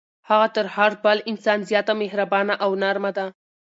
هغه تر هر بل انسان زیاته مهربانه او نرمه ده.